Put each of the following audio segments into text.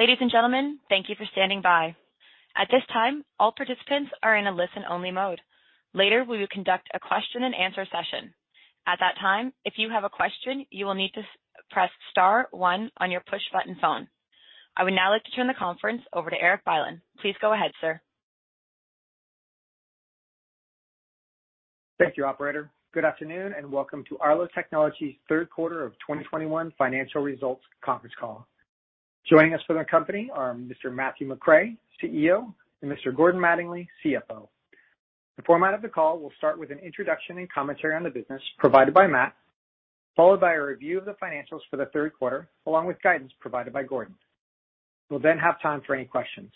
Ladies and gentlemen, thank you for standing by. At this time, all participants are in a listen-only mode. Later, we will conduct a question-and-answer session. At that time, if you have a question, you will need to press star one on your push-button phone. I would now like to turn the conference over to Erik Bylin. Please go ahead, sir. Thank you, operator. Good afternoon, and welcome to Arlo Technologies third quarter of 2021 financial results conference call. Joining us from the company are Mr. Matthew McRae, CEO, and Mr. Gordon Mattingly, CFO. The format of the call will start with an introduction and commentary on the business provided by Matt, followed by a review of the financials for the third quarter, along with guidance provided by Gordon. We'll then have time for any questions.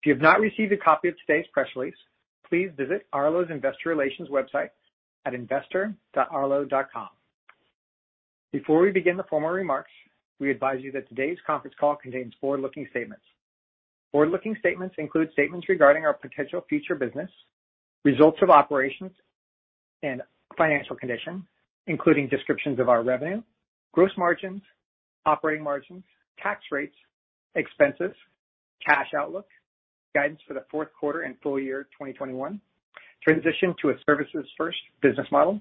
If you've not received a copy of today's press release, please visit Arlo's Investor Relations website at investor.arlo.com. Before we begin the formal remarks, we advise you that today's conference call contains forward-looking statements. Forward-looking statements include statements regarding our potential future business, results of operations, and financial condition, including descriptions of our revenue, gross margins, operating margins, tax rates, expenses, cash outlook, guidance for the fourth quarter and full year 2021, transition to a services first business model,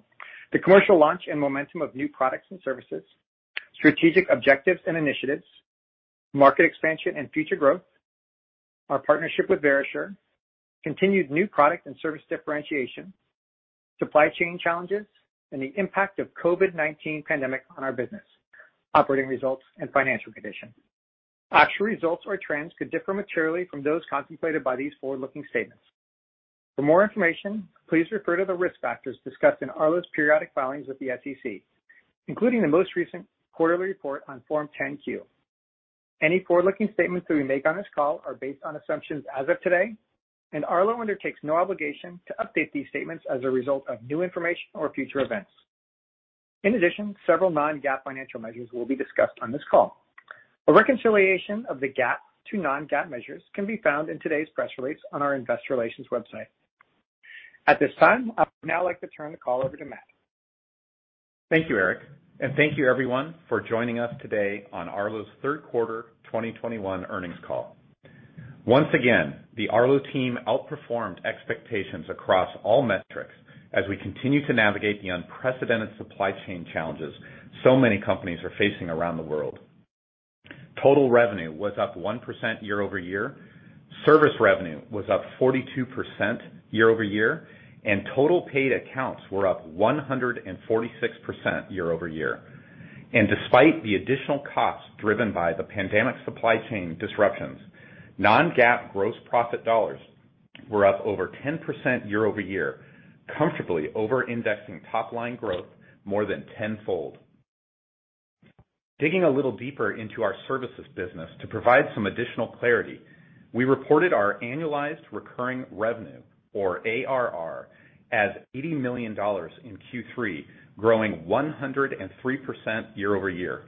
the commercial launch and momentum of new products and services, strategic objectives and initiatives, market expansion and future growth, our partnership with Verisure, continued new product and service differentiation, supply chain challenges, and the impact of COVID-19 pandemic on our business, operating results and financial condition. Actual results or trends could differ materially from those contemplated by these forward-looking statements. For more information, please refer to the risk factors discussed in Arlo's periodic filings with the SEC, including the most recent quarterly report on Form 10-Q. Any forward-looking statements that we make on this call are based on assumptions as of today, and Arlo undertakes no obligation to update these statements as a result of new information or future events. In addition, several non-GAAP financial measures will be discussed on this call. A reconciliation of the GAAP to non-GAAP measures can be found in today's press release on our investor relations website. At this time, I would now like to turn the call over to Matt. Thank you, Erik, and thank you everyone for joining us today on Arlo's third quarter 2021 earnings call. Once again, the Arlo team outperformed expectations across all metrics as we continue to navigate the unprecedented supply chain challenges so many companies are facing around the world. Total revenue was up 1% year-over-year, service revenue was up 42% year-over-year, and total paid accounts were up 146% year-over-year. Despite the additional costs driven by the pandemic supply chain disruptions, non-GAAP gross profit dollars were up over 10% year-over-year, comfortably over-indexing top line growth more than tenfold. Digging a little deeper into our services business to provide some additional clarity, we reported our annualized recurring revenue or ARR as $80 million in Q3, growing 103% year-over-year.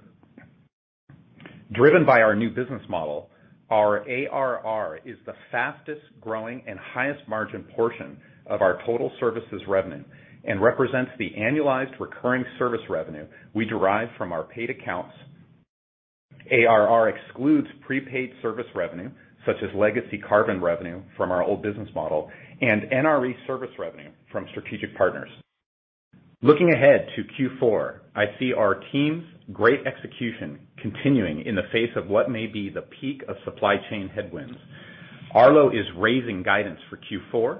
Driven by our new business model, our ARR is the fastest-growing and highest margin portion of our total services revenue and represents the annualized recurring service revenue we derive from our paid accounts. ARR excludes prepaid service revenue such as legacy hardware device sales from our old business model and NRE service revenue from strategic partners. Looking ahead to Q4, I see our team's great execution continuing in the face of what may be the peak of supply chain headwinds. Arlo is raising guidance for Q4,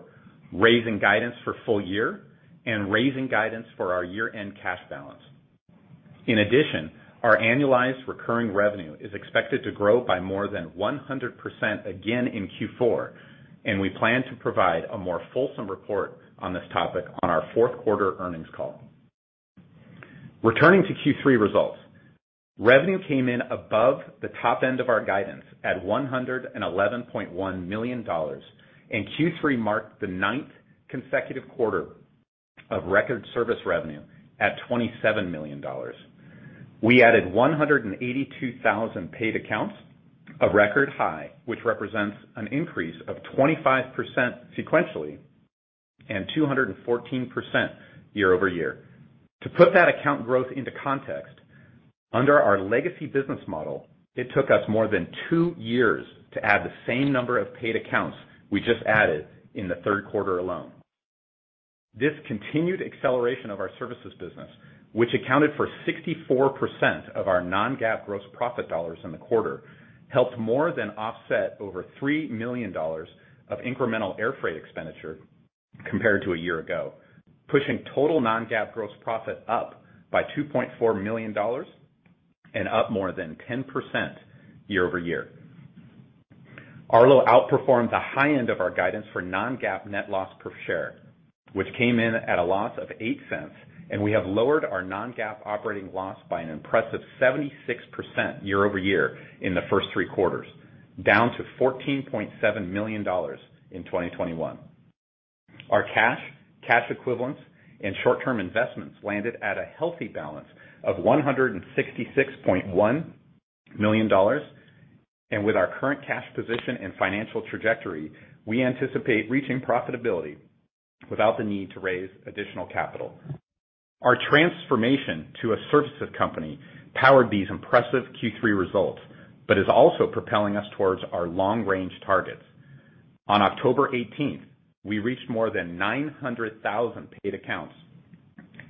raising guidance for full year, and raising guidance for our year-end cash balance. In addition, our annualized recurring revenue is expected to grow by more than 100% again in Q4, and we plan to provide a more fulsome report on this topic on our fourth quarter earnings call. Returning to Q3 results, revenue came in above the top end of our guidance at $111.1 million, and Q3 marked the ninth consecutive quarter of record service revenue at $27 million. We added 182,000 paid accounts, a record high, which represents an increase of 25% sequentially and 214% year-over-year. To put that account growth into context, under our legacy business model, it took us more than two years to add the same number of paid accounts we just added in the third quarter alone. This continued acceleration of our services business, which accounted for 64% of our non-GAAP gross profit dollars in the quarter, helped more than offset over $3 million of incremental air freight expenditure compared to a year ago, pushing total non-GAAP gross profit up by $2.4 million and up more than 10% year-over-year. Arlo outperformed the high end of our guidance for non-GAAP net loss per share, which came in at a loss of $0.08, and we have lowered our non-GAAP operating loss by an impressive 76% year-over-year in the first three quarters, down to $14.7 million in 2021. Our cash equivalents, and short-term investments landed at a healthy balance of $166.1 million. With our current cash position and financial trajectory, we anticipate reaching profitability without the need to raise additional capital. Our transformation to a services company powered these impressive Q3 results, but is also propelling us towards our long-range targets. On October 18, we reached more than 900,000 paid accounts,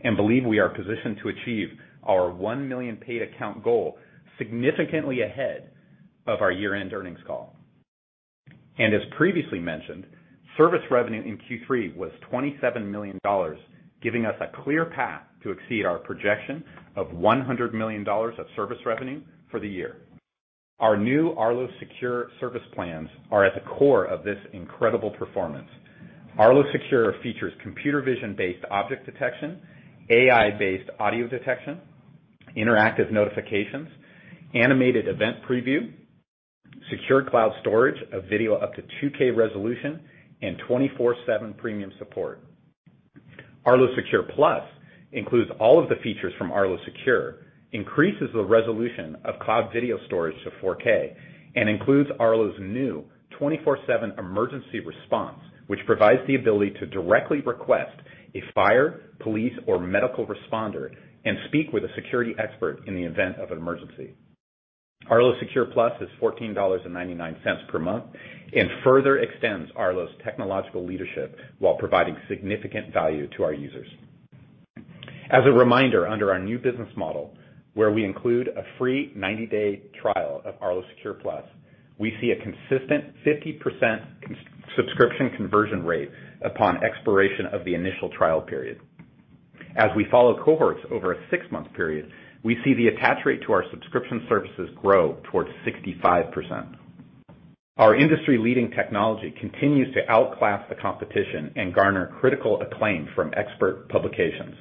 and believe we are positioned to achieve our $1 million paid account goal significantly ahead of our year-end earnings call. As previously mentioned, service revenue in Q3 was $27 million, giving us a clear path to exceed our projection of $100 million of service revenue for the year. Our new Arlo Secure service plans are at the core of this incredible performance. Arlo Secure features computer vision-based object detection, AI-based audio detection, interactive notifications, animated event preview, secured cloud storage of video up to 2K resolution, and 24/7 premium support. Arlo Secure Plus includes all of the features from Arlo Secure, increases the resolution of cloud video storage to 4K, and includes Arlo's new 24/7 emergency response, which provides the ability to directly request a fire, police, or medical responder and speak with a security expert in the event of an emergency. Arlo Secure Plus is $14.99 per month and further extends Arlo's technological leadership while providing significant value to our users. As a reminder, under our new business model, where we include a free 90-day trial of Arlo Secure Plus, we see a consistent 50% subscription conversion rate upon expiration of the initial trial period. As we follow cohorts over a six-month period, we see the attach rate to our subscription services grow towards 65%. Our industry-leading technology continues to outclass the competition and garner critical acclaim from expert publications.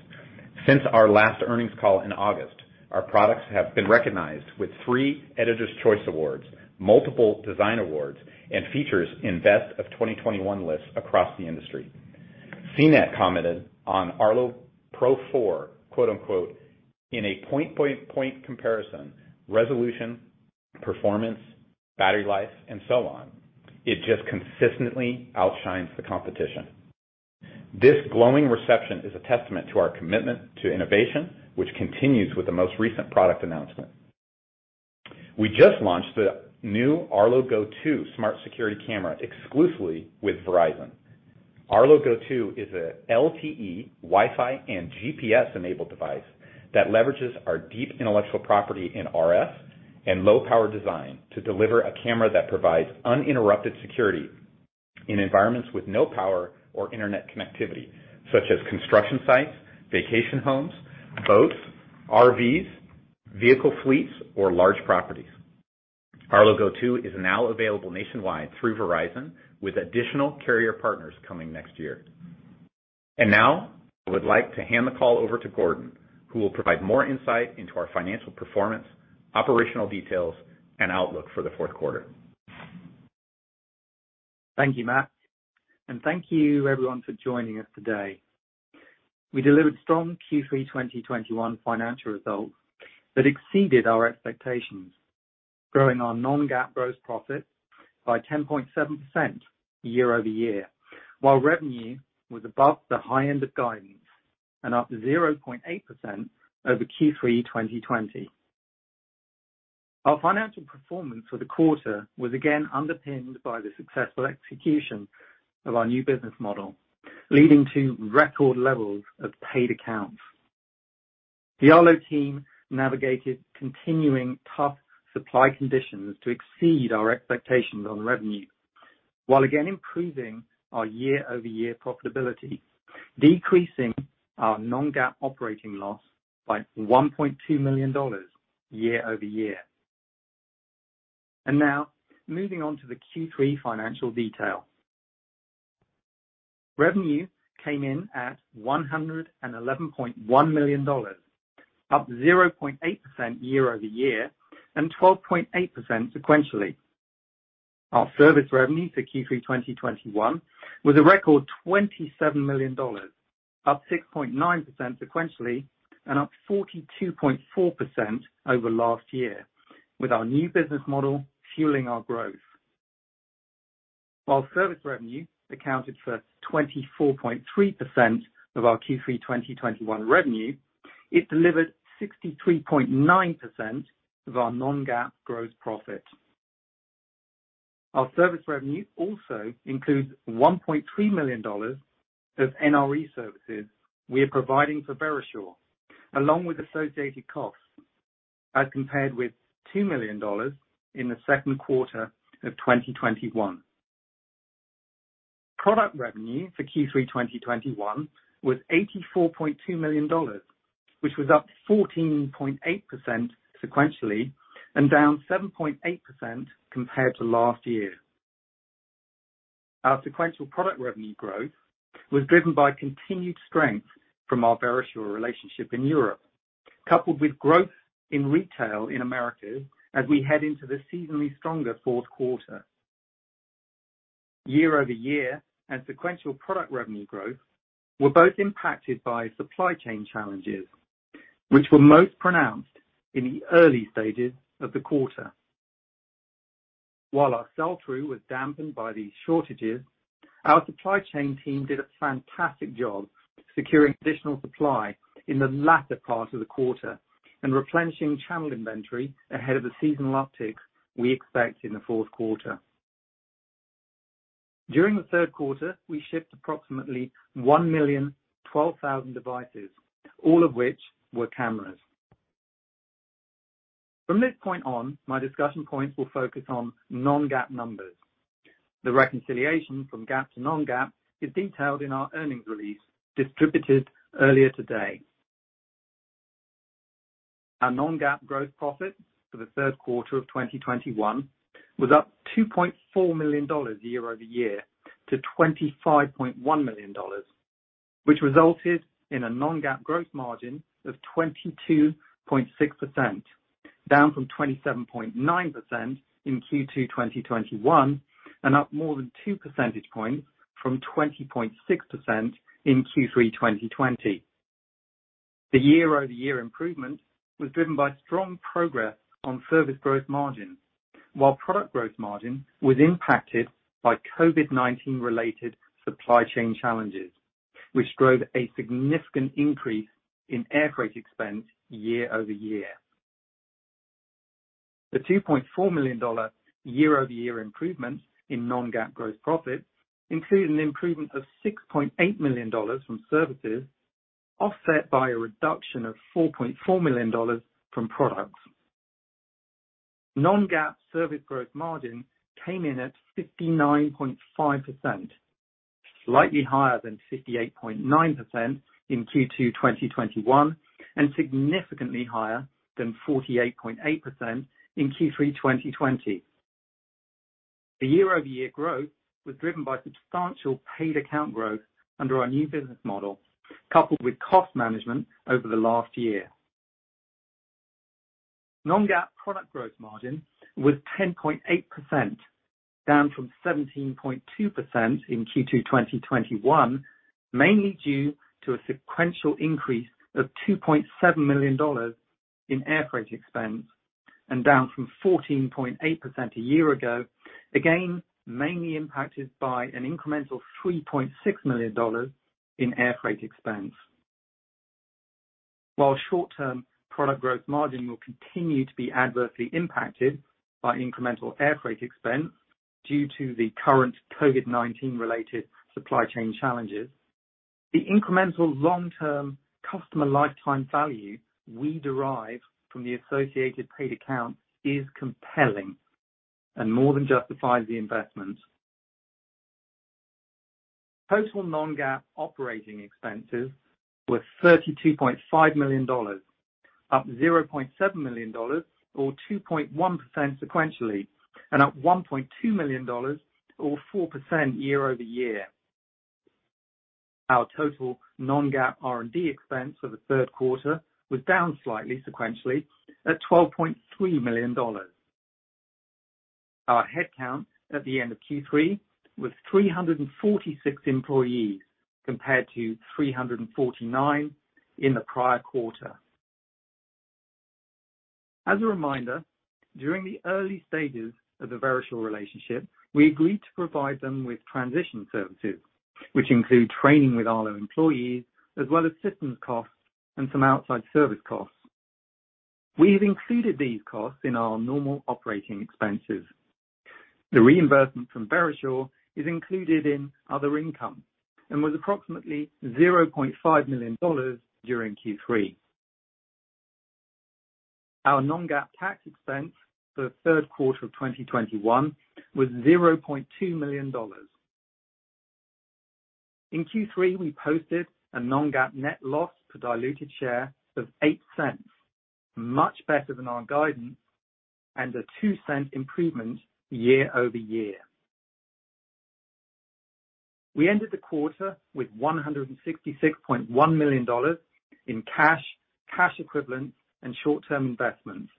Since our last earnings call in August, our products have been recognized with three Editor's Choice awards, multiple design awards, and features in best of 2021 lists across the industry. CNET commented on Arlo Pro 4, "In a point-by-point comparison, resolution, performance, battery life, and so on, it just consistently outshines the competition." This glowing reception is a testament to our commitment to innovation, which continues with the most recent product announcement. We just launched the new Arlo Go 2 smart security camera exclusively with Verizon. Arlo Go 2 is an LTE, Wi-Fi, and GPS-enabled device that leverages our deep intellectual property in RF and low power design to deliver a camera that provides uninterrupted security in environments with no power or internet connectivity, such as construction sites, vacation homes, boats, RVs, vehicle fleets, or large properties. Arlo Go 2 is now available nationwide through Verizon, with additional carrier partners coming next year. Now, I would like to hand the call over to Gordon, who will provide more insight into our financial performance, operational details, and outlook for the fourth quarter. Thank you, Matt. Thank you everyone for joining us today. We delivered strong Q3 2021 financial results that exceeded our expectations, growing our non-GAAP gross profit by 10.7% year-over-year, while revenue was above the high end of guidance and up 0.8% over Q3 2020. Our financial performance for the quarter was again underpinned by the successful execution of our new business model, leading to record levels of paid accounts. The Arlo team navigated continuing tough supply conditions to exceed our expectations on revenue, while again improving our year-over-year profitability, decreasing our non-GAAP operating loss by $1.2 million year-over-year. Now, moving on to the Q3 financial detail. Revenue came in at $111.1 million, up 0.8% year-over-year and 12.8% sequentially. Our service revenue for Q3 2021 was a record $27 million, up 6.9% sequentially and up 42.4% over last year, with our new business model fueling our growth. While service revenue accounted for 24.3% of our Q3 2021 revenue, it delivered 63.9% of our non-GAAP gross profit. Our service revenue also includes $1.3 million of NRE services we are providing for Verisure, along with associated costs, as compared with $2 million in the second quarter of 2021. Product revenue for Q3 2021 was $84.2 million, which was up 14.8% sequentially and down 7.8% compared to last year. Our sequential product revenue growth was driven by continued strength from our Verisure relationship in Europe, coupled with growth in retail in America as we head into the seasonally stronger fourth quarter. Year-over-year and sequential product revenue growth were both impacted by supply chain challenges, which were most pronounced in the early stages of the quarter. While our sell-through was dampened by these shortages, our supply chain team did a fantastic job securing additional supply in the latter part of the quarter and replenishing channel inventory ahead of the seasonal uptick we expect in the fourth quarter. During the third quarter, we shipped approximately 1,012,000 devices, all of which were cameras. From this point on, my discussion points will focus on non-GAAP numbers. The reconciliation from GAAP to non-GAAP is detailed in our earnings release distributed earlier today. Our non-GAAP gross profit for the third quarter of 2021 was up $2.4 million year-over-year to $25.1 million, which resulted in a non-GAAP gross margin of 22.6%, down from 27.9% in Q2 2021 and up more than two percentage points from 20.6% in Q3 2020. The year-over-year improvement was driven by strong progress on service gross margin, while product gross margin was impacted by COVID-19 related supply chain challenges, which drove a significant increase in air freight expense year-over-year. The $2.4 million year-over-year improvements in non-GAAP gross profit include an improvement of $6.8 million from services, offset by a reduction of $4.4 million from products. Non-GAAP service gross margin came in at 59.5%, slightly higher than 58.9% in Q2 2021, and significantly higher than 48.8% in Q3 2020. Year-over-year growth was driven by substantial paid account growth under our new business model, coupled with cost management over the last year. Non-GAAP product gross margin was 10.8%, down from 17.2% in Q2 2021, mainly due to a sequential increase of $2.7 million in air freight expense and down from 14.8% a year ago, again, mainly impacted by an incremental $3.6 million in air freight expense. While short term product growth margin will continue to be adversely impacted by incremental air freight expense due to the current COVID-19 related supply chain challenges, the incremental long term customer lifetime value we derive from the associated paid account is compelling and more than justifies the investment. Total non-GAAP operating expenses were $32.5 million, up $0.7 million, or 2.1% sequentially, and up $1.2 million or 4% year-over-year. Our total non-GAAP R&D expense for the third quarter was down slightly sequentially at $12.3 million. Our headcount at the end of Q3 was 346 employees, compared to 349 in the prior quarter. As a reminder, during the early stages of the Verisure relationship, we agreed to provide them with transition services, which include training with Arlo employees as well as systems costs and some outside service costs. We have included these costs in our normal operating expenses. The reimbursement from Verisure is included in other income and was approximately $0.5 million during Q3. Our non-GAAP tax expense for the third quarter of 2021 was $0.2 million. In Q3, we posted a non-GAAP net loss per diluted share of $0.08, much better than our guidance and a $0.02 improvement year-over-year. We ended the quarter with $166.1 million in cash equivalents and short-term investments,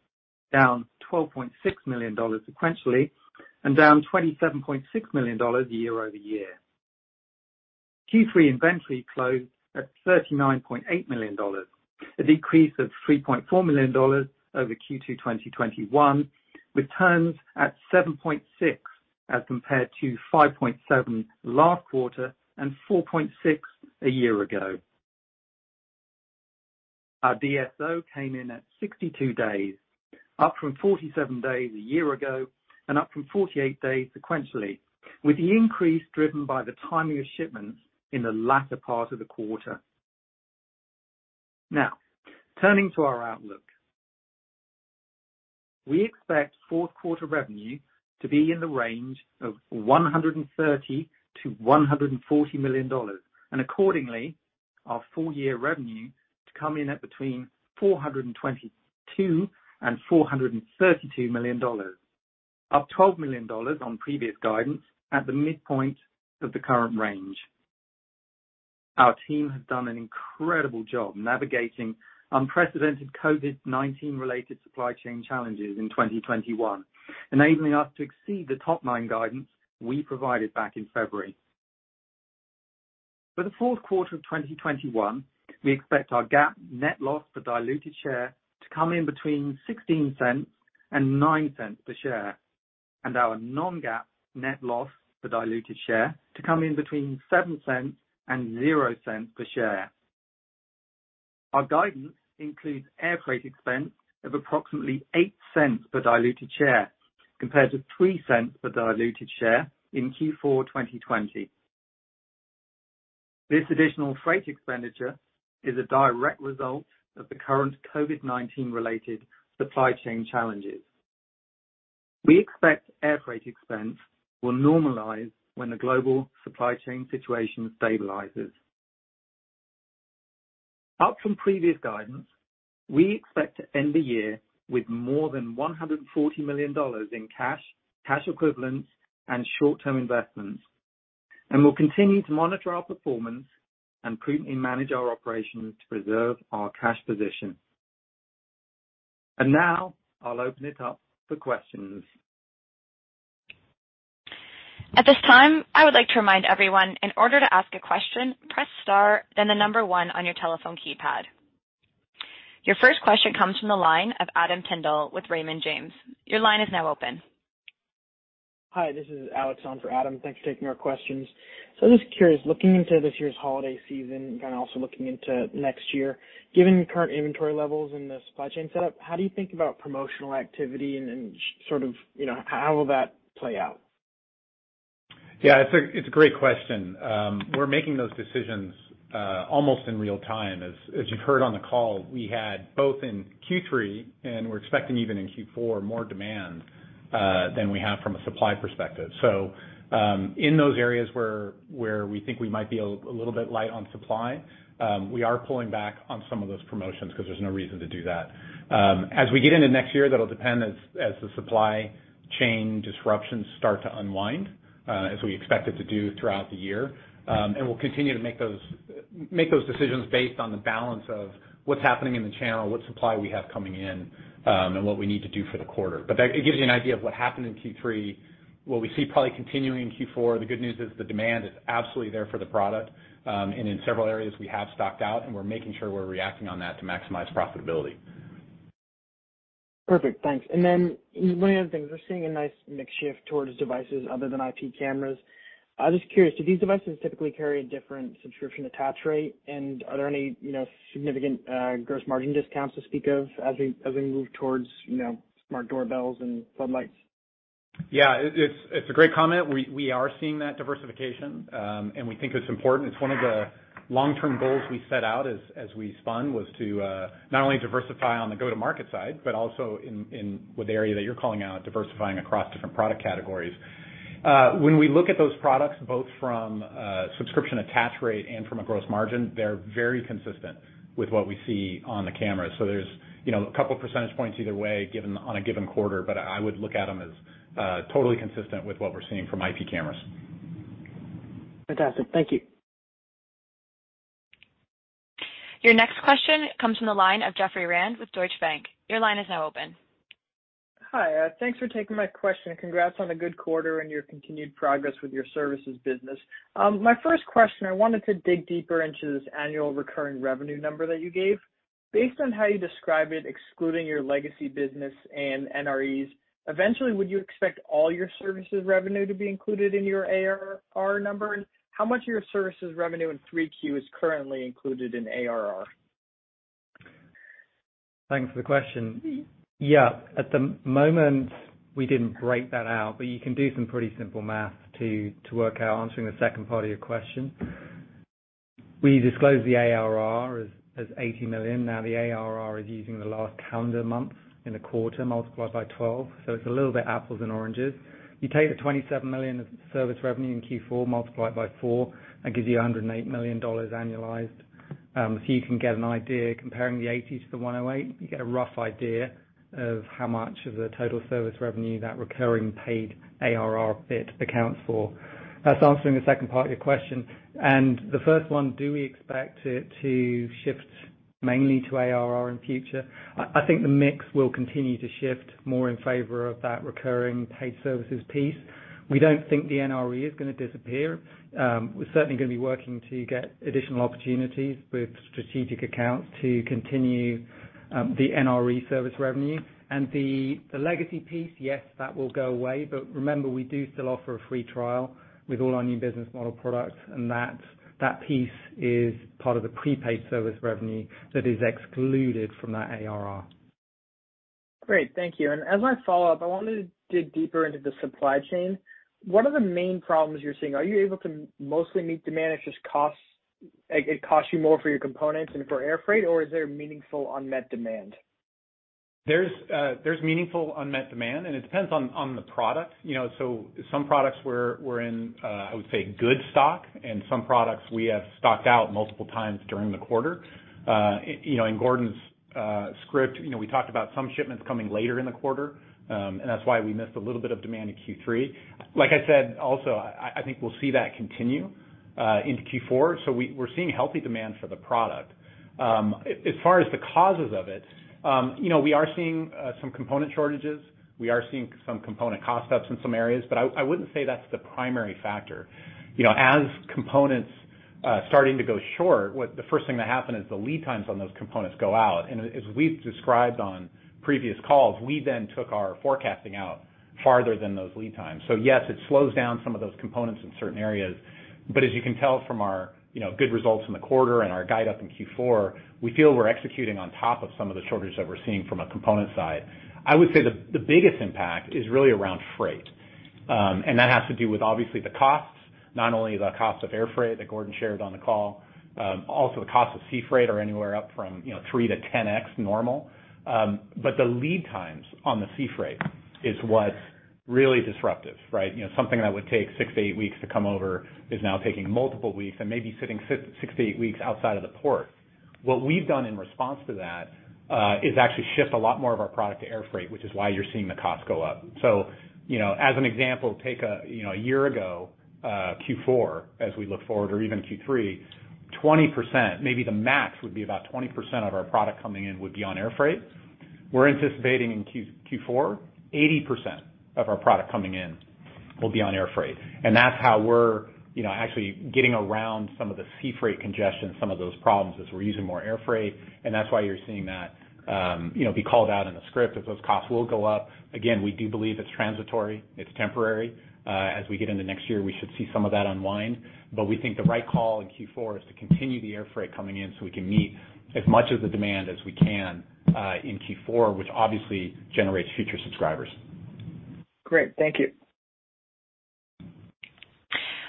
down $12.6 million sequentially and down $27.6 million year-over-year. Q3 inventory closed at $39.8 million, a decrease of $3.4 million over Q2 2021, with turns at $7.6 million as compared to $5.7 million last quarter and $4.6 million a year ago. Our DSO came in at 62 days, up from 47 days a year ago and up from 48 days sequentially, with the increase driven by the timing of shipments in the latter part of the quarter. Now, turning to our outlook. We expect fourth quarter revenue to be in the range of $130 million-$140 million, and accordingly our full year revenue to come in at between $422 million and $432 million, up $12 million on previous guidance at the midpoint of the current range. Our team has done an incredible job navigating unprecedented COVID-19 related supply chain challenges in 2021, enabling us to exceed the top line guidance we provided back in February. For the fourth quarter of 2021, we expect our GAAP net loss per diluted share to come in between $0.16 and $0.09 per share, and our non-GAAP net loss per diluted share to come in between $0.07 and $0.00 per share. Our guidance includes air freight expense of approximately $0.08 per diluted share compared to $0.03 per diluted share in Q4 2020. This additional freight expenditure is a direct result of the current COVID-19 related supply chain challenges. We expect air freight expense will normalize when the global supply chain situation stabilizes. Up from previous guidance, we expect to end the year with more than $140 million in cash equivalents, and short-term investments, and we'll continue to monitor our performance and prudently manage our operations to preserve our cash position. Now I'll open it up for questions. At this time, I would like to remind everyone, in order to ask a question, press star, then one on your telephone keypad. Your first question comes from the line of Adam Tindle with Raymond James. Your line is now open. Hi, this is Alex on for Adam. Thanks for taking our questions. I'm just curious, looking into this year's holiday season and kind of also looking into next year. Given current inventory levels and the supply chain setup, how do you think about promotional activity and sort of, you know, how will that play out? Yeah, it's a great question. We're making those decisions almost in real time. As you've heard on the call, we had both in Q3, and we're expecting even in Q4, more demand than we have from a supply perspective. In those areas where we think we might be a little bit light on supply, we are pulling back on some of those promotions because there's no reason to do that. As we get into next year, that'll depend as the supply chain disruptions start to unwind, as we expect it to do throughout the year. We'll continue to make those decisions based on the balance of what's happening in the channel, what supply we have coming in, and what we need to do for the quarter. It gives you an idea of what happened in Q3, what we see probably continuing in Q4. The good news is the demand is absolutely there for the product, and in several areas we have stocked out, and we're making sure we're reacting on that to maximize profitability. Perfect. Thanks. One of the other things, we're seeing a nice mix shift towards devices other than IP cameras. I'm just curious, do these devices typically carry a different subscription attach rate? And are there any, you know, significant gross margin discounts to speak of as we move towards, you know, smart doorbells and floodlights? Yeah. It's a great comment. We are seeing that diversification, and we think it's important. It's one of the long-term goals we set out as we spun, was to not only diversify on the go-to-market side, but also in with the area that you're calling out, diversifying across different product categories. When we look at those products, both from subscription attach rate and from a gross margin, they're very consistent with what we see on the camera. So there's, you know, a couple percentage points either way given on a given quarter, but I would look at them as totally consistent with what we're seeing from IP cameras. Fantastic. Thank you. Your next question comes from the line of Jeffrey Rand with Deutsche Bank. Your line is now open. Hi. Thanks for taking my question, and congrats on a good quarter and your continued progress with your services business. My first question, I wanted to dig deeper into this annual recurring revenue number that you gave. Based on how you describe it, excluding your legacy business and NREs, eventually, would you expect all your services revenue to be included in your ARR number? How much of your services revenue in 3Q is currently included in ARR? Thanks for the question. Yeah, at the moment, we didn't break that out, but you can do some pretty simple math to work out answering the second part of your question. We disclosed the ARR as $80 million. Now, the ARR is using the last calendar month in the quarter multiplied by 12, so it's a little bit apples and oranges. You take the $27 million of service revenue in Q4, multiply it by four, that gives you a $108 million annualized. So you can get an idea comparing the 80 to the 108, you get a rough idea of how much of the total service revenue that recurring paid ARR bit accounts for. That's answering the second part of your question. The first one, do we expect it to shift mainly to ARR in future? I think the mix will continue to shift more in favor of that recurring paid services piece. We don't think the NRE is gonna disappear. We're certainly gonna be working to get additional opportunities with strategic accounts to continue the NRE service revenue. The legacy piece, yes, that will go away, but remember, we do still offer a free trial with all our new business model products, and that piece is part of the prepaid service revenue that is excluded from that ARR. Great. Thank you. As my follow-up, I wanted to dig deeper into the supply chain. What are the main problems you're seeing? Are you able to mostly meet demand, it's just costs, like it costs you more for your components and for air freight, or is there meaningful unmet demand? There's meaningful unmet demand, and it depends on the product. You know, some products we're in, I would say good stock, and some products we have stocked out multiple times during the quarter. You know, in Gordon's script, you know, we talked about some shipments coming later in the quarter, and that's why we missed a little bit of demand in Q3. Like I said, also, I think we'll see that continue into Q4. We're seeing healthy demand for the product. As far as the causes of it, you know, we are seeing some component shortages. We are seeing some component cost ups in some areas, but I wouldn't say that's the primary factor. You know, as components starting to go short, the first thing that happened is the lead times on those components go out. As we've described on previous calls, we then took our forecasting out farther than those lead times. Yes, it slows down some of those components in certain areas. As you can tell from our, you know, good results in the quarter and our guide up in Q4, we feel we're executing on top of some of the shortages that we're seeing from a component side. I would say the biggest impact is really around freight. That has to do with obviously the costs, not only the cost of air freight that Gordon shared on the call, also the cost of sea freight are anywhere up from, you know, 3x to 10x normal. The lead times on the sea freight is what's really disruptive, right? You know, something that would take six-eight weeks to come over is now taking multiple weeks and maybe sitting six-eight weeks outside of the port. What we've done in response to that, is actually shift a lot more of our product to air freight, which is why you're seeing the cost go up. You know, as an example, take a, you know, a year ago, Q4 as we look forward or even Q3, 20%, maybe the max would be about 20% of our product coming in would be on air freight. We're anticipating in Q4, 80% of our product coming in will be on air freight. That's how we're, you know, actually getting around some of the sea freight congestion, some of those problems, is we're using more air freight. That's why you're seeing that, you know, be called out in the script as those costs will go up. Again, we do believe it's transitory, it's temporary. As we get into next year, we should see some of that unwind. We think the right call in Q4 is to continue the air freight coming in so we can meet as much of the demand as we can, in Q4, which obviously generates future subscribers. Great. Thank you.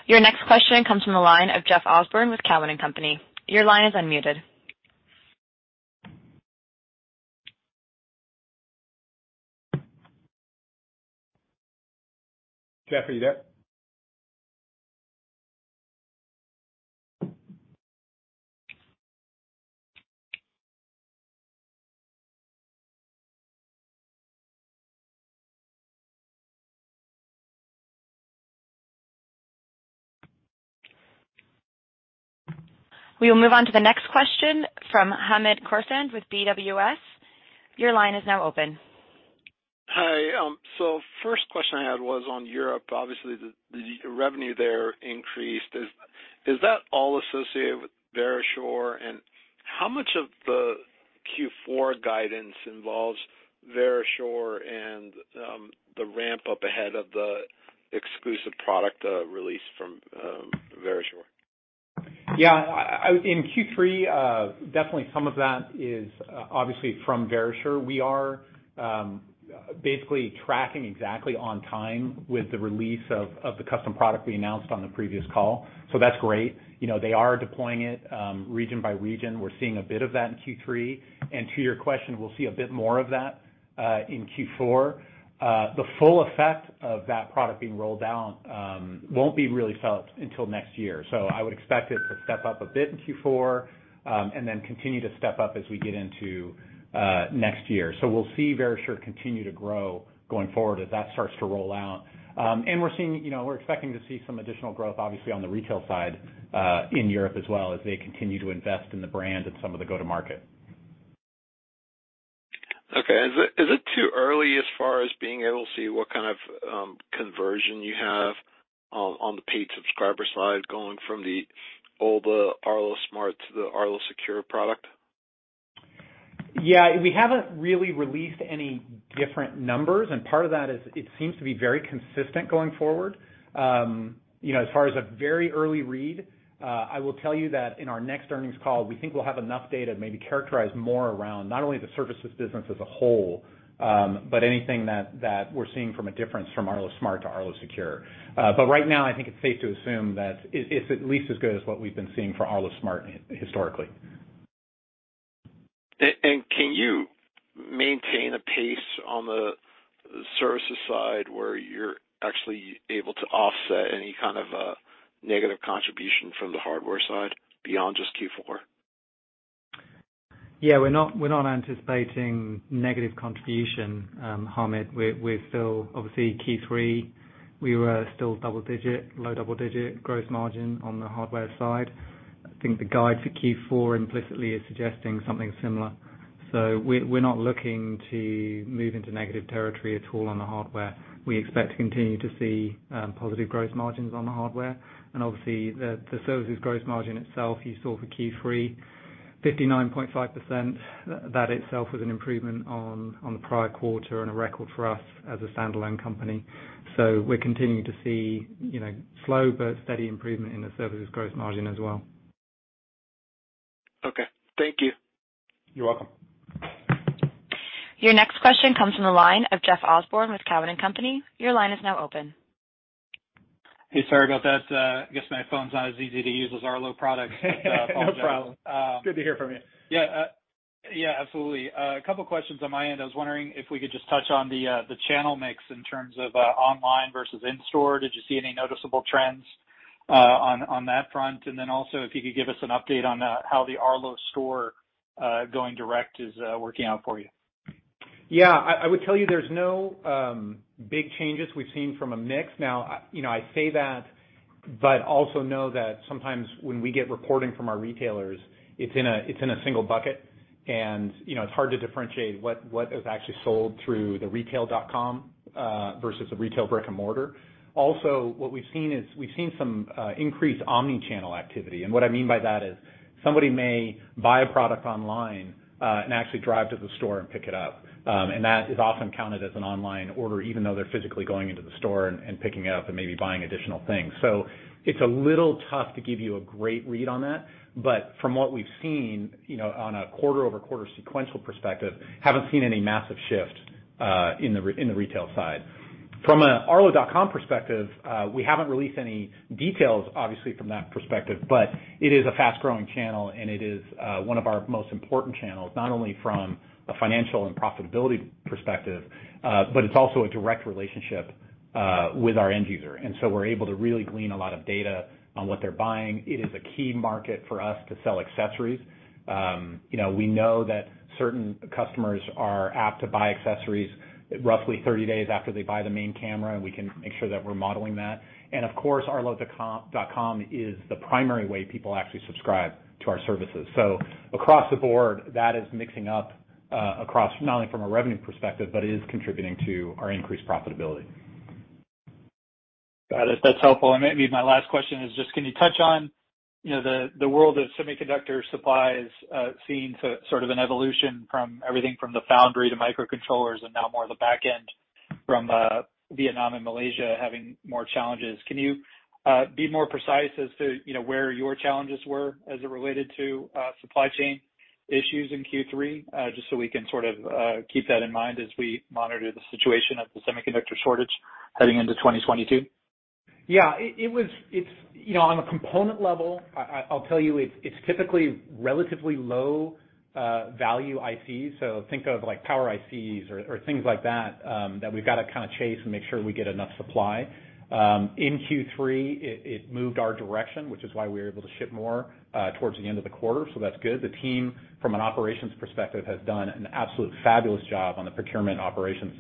Your next question comes from the line of Jeff Osborne with Cowen and Company. Your line is unmuted. Jeff, are you there? We will move on to the next question from Hamed Khorsand with BWS. Your line is now open. Hi. First question I had was on Europe. Obviously, the revenue there increased. Is that all associated with Verisure? How much of the Q4 guidance involves Verisure and the ramp up ahead of the exclusive product release from Verisure? In Q3, definitely some of that is obviously from Verisure. We are basically tracking exactly on time with the release of the custom product we announced on the previous call. That's great. You know, they are deploying it region by region. We're seeing a bit of that in Q3. To your question, we'll see a bit more of that in Q4. The full effect of that product being rolled out won't be really felt until next year. I would expect it to step up a bit in Q4 and then continue to step up as we get into next year. We'll see Verisure continue to grow going forward as that starts to roll out. We're seeing, you know, we're expecting to see some additional growth, obviously, on the retail side, in Europe as well, as they continue to invest in the brand and some of the go-to-market. Okay. Is it too early as far as being able to see what kind of conversion you have on the paid subscriber side going from the older Arlo Smart to the Arlo Secure product? Yeah, we haven't really released any different numbers, and part of that is it seems to be very consistent going forward. You know, as far as a very early read, I will tell you that in our next earnings call, we think we'll have enough data to maybe characterize more around not only the services business as a whole, but anything that we're seeing from a difference from Arlo Smart to Arlo Secure. Right now, I think it's safe to assume that it's at least as good as what we've been seeing for Arlo Smart historically. Can you maintain a pace on the services side where you're actually able to offset any kind of negative contribution from the hardware side beyond just Q4? Yeah, we're not anticipating negative contribution, Hamid. We're still obviously Q3, we were still double digit, low double digit gross margin on the hardware side. I think the guide for Q4 implicitly is suggesting something similar. We're not looking to move into negative territory at all on the hardware. We expect to continue to see positive gross margins on the hardware. Obviously, the services gross margin itself, you saw for Q3, 59.5%. That itself was an improvement on the prior quarter and a record for us as a standalone company. We're continuing to see, you know, slow but steady improvement in the services gross margin as well. Okay. Thank you. You're welcome. Your next question comes from the line of Jeff Osborne with Cowen and Company. Your line is now open. Hey, sorry about that. I guess my phone's not as easy to use as Arlo products. Apologies. No problem. Good to hear from you. Yeah. Yeah, absolutely. A couple questions on my end. I was wondering if we could just touch on the channel mix in terms of online versus in-store. Did you see any noticeable trends on that front? Also, if you could give us an update on how the Arlo store going direct is working out for you. Yeah. I would tell you there's no big changes we've seen from a mix. Now, you know, I say that, but also know that sometimes when we get reporting from our retailers, it's in a single bucket. You know, it's hard to differentiate what is actually sold through the retail.com versus the retail brick-and-mortar. Also, what we've seen is some increased omni-channel activity. What I mean by that is somebody may buy a product online and actually drive to the store and pick it up. That is often counted as an online order, even though they're physically going into the store and picking it up and maybe buying additional things. It's a little tough to give you a great read on that. From what we've seen, you know, on a quarter-over-quarter sequential perspective, haven't seen any massive shift in the retail side. From a arlo.com perspective, we haven't released any details obviously from that perspective, but it is a fast-growing channel, and it is one of our most important channels, not only from a financial and profitability perspective, but it's also a direct relationship with our end user. We're able to really glean a lot of data on what they're buying. It is a key market for us to sell accessories. You know, we know that certain customers are apt to buy accessories roughly 30 days after they buy the main camera, and we can make sure that we're modeling that. Of course, arlo.com is the primary way people actually subscribe to our services. Across the board, that is picking up across not only from a revenue perspective, but it is contributing to our increased profitability. Got it. That's helpful. Maybe my last question is just can you touch on, you know, the world of semiconductor supplies, seeing sort of an evolution from everything from the foundry to microcontrollers and now more on the back end from Vietnam and Malaysia having more challenges. Can you be more precise as to, you know, where your challenges were as it related to supply chain issues in Q3? Just so we can sort of keep that in mind as we monitor the situation of the semiconductor shortage heading into 2022. Yeah, it's, you know, on a component level, I'll tell you it's typically relatively low value IC. So think of like power ICs or things like that that we've gotta kinda chase and make sure we get enough supply. In Q3, it moved our direction, which is why we were able to ship more towards the end of the quarter. So that's good. The team, from an operations perspective, has done an absolutely fabulous job on the procurement operations,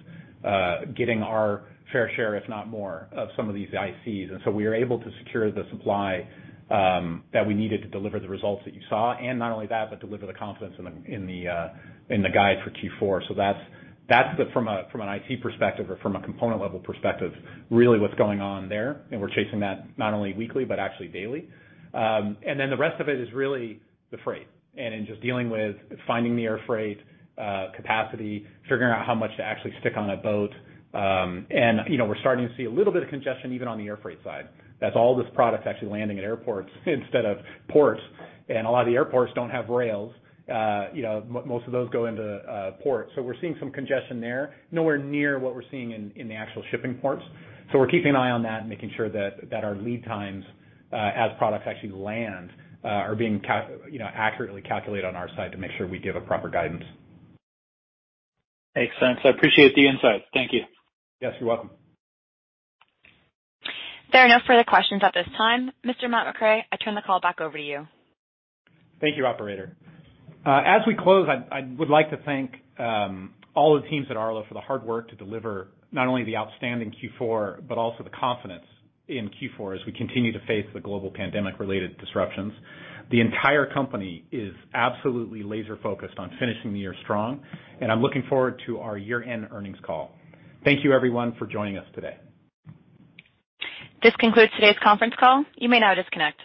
getting our fair share, if not more, of some of these ICs. We were able to secure the supply that we needed to deliver the results that you saw. Not only that, but deliver the confidence in the guide for Q4. That's from an IC perspective or from a component level perspective, really what's going on there. We're chasing that not only weekly, but actually daily. Then the rest of it is really the freight and just dealing with finding the air freight capacity, figuring out how much to actually stick on a boat. You know, we're starting to see a little bit of congestion even on the air freight side. That's all this product actually landing at airports instead of ports. A lot of the airports don't have rails. You know, most of those go into ports. We're seeing some congestion there. Nowhere near what we're seeing in the actual shipping ports. We're keeping an eye on that and making sure that our lead times, as products actually land, are being, you know, accurately calculated on our side to make sure we give a proper guidance. Makes sense. I appreciate the insights. Thank you. Yes, you're welcome. There are no further questions at this time. Mr. Matthew McRae, I turn the call back over to you. Thank you, operator. As we close, I would like to thank all the teams at Arlo for the hard work to deliver not only the outstanding Q4, but also the confidence in Q4 as we continue to face the global pandemic-related disruptions. The entire company is absolutely laser-focused on finishing the year strong, and I'm looking forward to our year-end earnings call. Thank you everyone for joining us today. This concludes today's conference call. You may now disconnect.